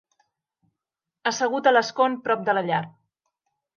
Assegut a l'escon, prop de la llar.